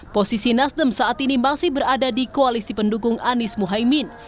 posisi nasdem saat ini masih berada di koalisi pendukung anies mohaimin